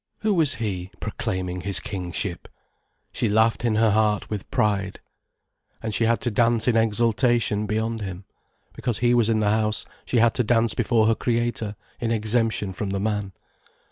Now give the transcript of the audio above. Who was he, proclaiming his kingship? She laughed in her heart with pride. And she had to dance in exultation beyond him. Because he was in the house, she had to dance before her Creator in exemption from the man.